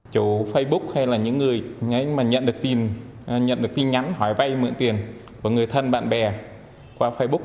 chủ facebook hay là những người mà nhận được tin nhắn hỏi vay mượn tiền của người thân bạn bè qua facebook